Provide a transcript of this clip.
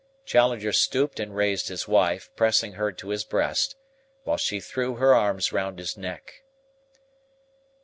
Challenger stooped and raised his wife, pressing her to his breast, while she threw her arms round his neck.